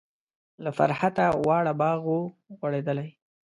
له فرحته واړه باغ و غوړیدلی.